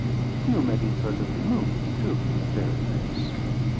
You may be further removed too from the fairy race."